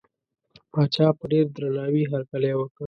پاچا په ډېر درناوي هرکلی وکړ.